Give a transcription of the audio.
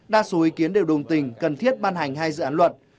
đa số ý kiến đều đồng tình cần thiết ban hành hai dự án luật